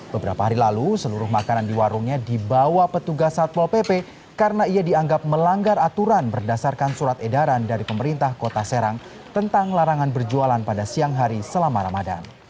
beberapa hari lalu seluruh makanan di warungnya dibawa petugas satpol pp karena ia dianggap melanggar aturan berdasarkan surat edaran dari pemerintah kota serang tentang larangan berjualan pada siang hari selama ramadan